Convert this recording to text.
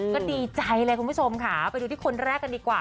ก็ดีใจเลยคุณผู้ชมค่ะไปดูที่คนแรกกันดีกว่า